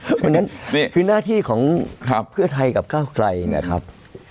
เพราะฉะนั้นคือหน้าที่ของเพื่อไทยกับก้าวไกลนะครับ